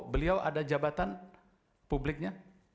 beliau ada jabatan publiknya